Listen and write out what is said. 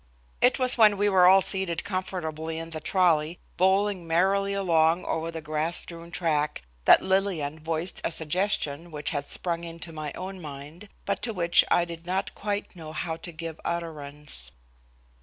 It was when we were all seated comfortably in the trolley, bowling merrily along over the grass strewn track, that Lillian voiced a suggestion which had sprung into my own mind, but to which I did not quite know how to give utterance.